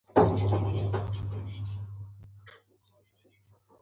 هګۍ د شیرینیو خوند لوړوي.